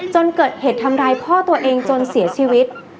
จนเกิดเหตุทำร้ายพ่อตัวเองจนเสียชีวิต